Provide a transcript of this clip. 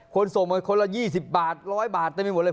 คนสมคนละ๒๐บาท๑๐๐บาทแต่ไม่มีหมดเลย